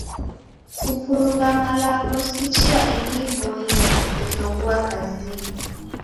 Kuvurugha malagho si chia ingi iboie ezoghua kazinyi.